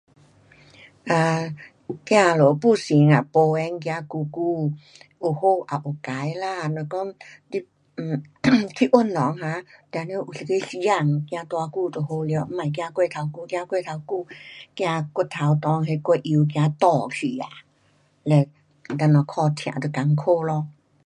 um 走路，步行啊，步行，走久久，有好也有坏啦，若讲你 um 去运动啊,定得有一个时间。走多久就好了，别走过头久，走过头久怕骨头内骨油干去啊，嘞等下脚痛就困苦咯。